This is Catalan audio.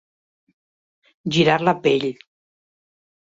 Girar la pell.